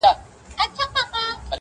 • هم لوېدلی یې له پامه د خپلوانو,